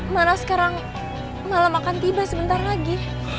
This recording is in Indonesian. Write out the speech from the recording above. mana sekarang malam akan tiba sebentar lagi